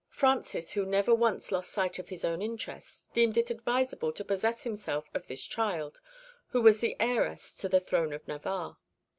Francis, who never once lost sight of his own interests, deemed it advisable to possess himself of this child, who was the heiress to the throne of Navarre.